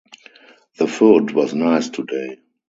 The food was nice today.